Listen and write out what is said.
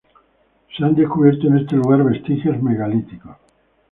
Se han descubierto en este lugar vestigios megalíticos.